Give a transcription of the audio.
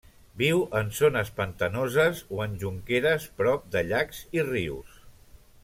Viu en zones pantanoses o en jonqueres prop de llacs i rius.